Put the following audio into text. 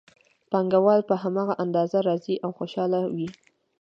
پانګوال په هماغه اندازه راضي او خوشحاله وي